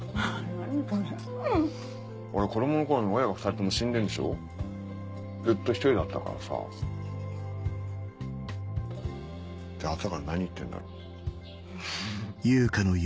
何それ俺子供の頃に親が２人とも死んでるでずっと一人だったからさって朝から何言ってんだろフフ